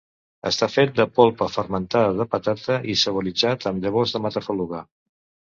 Està fet de polpa fermentada de patata, i saboritzat amb llavors de matafaluga.